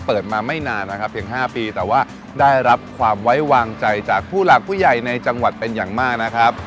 เปิดมาไม่นานนะครับเพียง๕ปีแต่ว่าได้รับความไว้วางใจจากผู้หลักผู้ใหญ่ในจังหวัดเป็นอย่างมากนะครับ